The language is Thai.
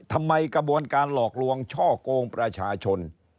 กระบวนการหลอกลวงช่อกงประชาชน